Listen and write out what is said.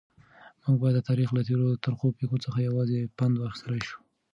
موږ باید د تاریخ له تېرو ترخو پیښو څخه یوازې پند واخیستلای شو.